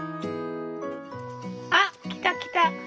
あっ来た来た！